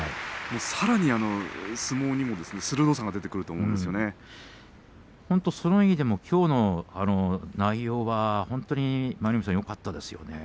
さらに相撲にも鋭さがその意味でもきょうの内容は本当に舞の海さん、よかったですよね。